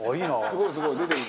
すごいすごい。出てる。